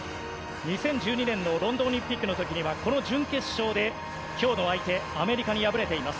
２０１２年のロンドンオリンピックの時にはこの準決勝で今日の相手アメリカに敗れています。